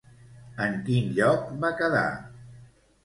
En quin lloc va quedar?